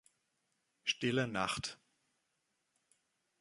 Stille Nacht.